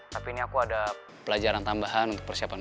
tapi ini aku ada pelajaran tambahan untuk persiapan